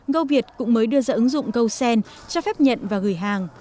goviet cũng mới đưa ra ứng dụng golsen cho phép nhận và gửi hàng